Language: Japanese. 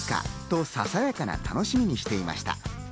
と、ささやかな楽しみにしていました。